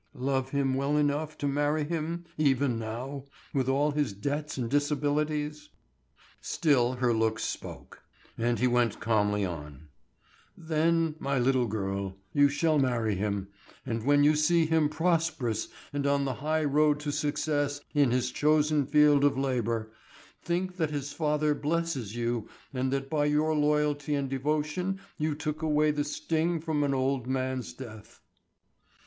"Love him well enough to marry him even now, with all his debts and disabilities?" Still her looks spoke; and he went calmly on: "Then, my little girl, you shall marry him, and when you see him prosperous and on the high road to success in his chosen field of labor,—think that his father blesses you and that by your loyalty and devotion you took away the sting from an old man's death."